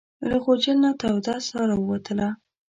له غوجل نه توده ساه راووتله.